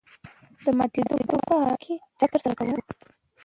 د ماتېدو په مقابل کې چک ترسره کوو